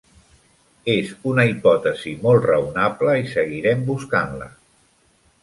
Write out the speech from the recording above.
És una hipòtesi molt raonable i seguirem buscant-la.